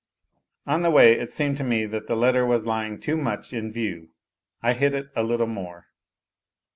On the way it seemed to me that the letter was lying too much in view : I hid it a little more.